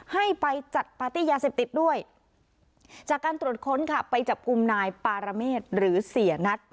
หรือเสียนัด